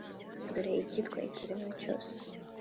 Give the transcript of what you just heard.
Dore icyitwa ikiremwa cyose.